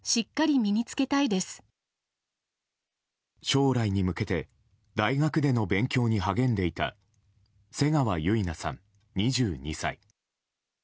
将来に向けて大学での勉強に励んでいた瀬川結菜さん、２２歳。